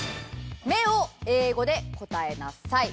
「目」を英語で答えなさい。